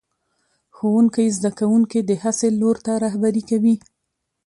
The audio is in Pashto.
ښوونکی زده کوونکي د هڅې لور ته رهبري کوي